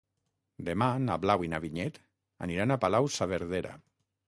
Demà na Blau i na Vinyet aniran a Palau-saverdera.